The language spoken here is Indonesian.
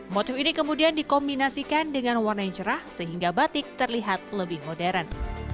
motif ini kemudian dikombinasikan dengan warna yang cerah sehingga batik terlihat lebih modern